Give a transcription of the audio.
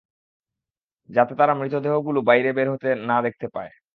যাতে তারা মৃতদেহগুলো বাইরে বের হতে না দেখতে পায়।